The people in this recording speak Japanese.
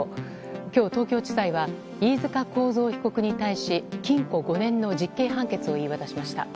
今日、東京地裁は飯塚幸三被告に対し禁錮５年の実刑判決を言い渡しました。